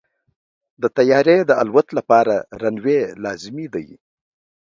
د طیارې د الوت لپاره رنوی لازمي دی.